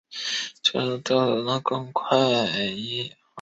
细胞焦亡通常比细胞凋亡发生的更快。